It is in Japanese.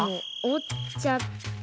おっちゃって。